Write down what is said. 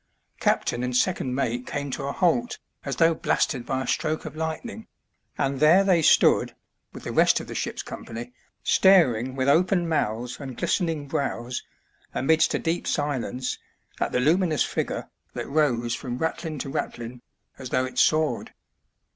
Captain and second mate came to a halt, as though blasted by a stroke of light ning, and there they stood, with the rest of the ship's company, staring with open mouths and glistening brows, amidst a deep silence, at the luminous figure that rose from ratline to ratline, as though it soared.